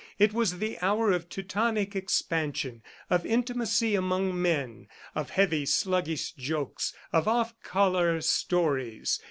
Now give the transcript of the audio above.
It was the hour of Teutonic expansion, of intimacy among men, of heavy, sluggish jokes, of off color stories.